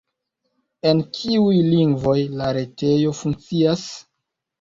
En kiuj lingvoj la retejo funkcias?